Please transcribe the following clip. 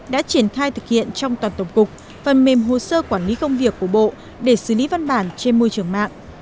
đã triển khai thực hiện trong toàn tổng cục phần mềm hồ sơ quản lý công việc của bộ để xử lý văn bản trên môi trường mạng